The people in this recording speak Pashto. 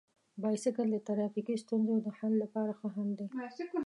بایسکل د ټرافیکي ستونزو د حل لپاره ښه حل دی.